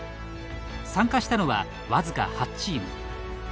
参加したのは僅か８チーム。